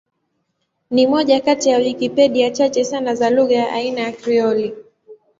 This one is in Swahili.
Ni moja kati ya Wikipedia chache sana za lugha ya aina ya Krioli.